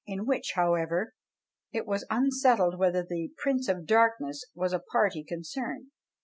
in which, however, it was as unsettled whether the "Prince of Darkness" was a party concerned.